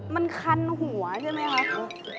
มันคันหัวใช่ไหมคะ